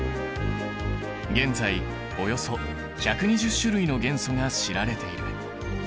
現在およそ１２０種類の元素が知られている。